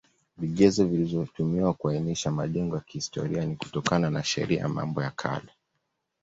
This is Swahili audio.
Vigezo vilivyotumiwa kuainisha majengo ya kihstoria ni kutokana na Sheria ya Mambo ya Kale